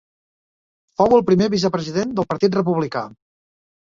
Fou el primer vicepresident del Partit Republicà.